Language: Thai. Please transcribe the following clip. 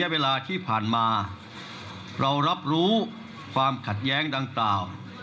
ว่าเรารับรู้ความขัดแย้งดังตลาด